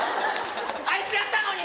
愛し合ったのに！